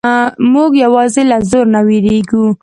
موږ یوازې له زور نه وېریږو.